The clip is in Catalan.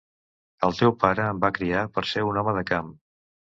El teu pare em va criar per ser un home de camp.